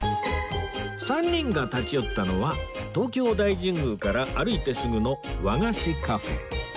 ３人が立ち寄ったのは東京大神宮から歩いてすぐの和菓子カフェ